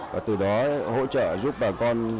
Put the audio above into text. và từ đó hỗ trợ giúp bà con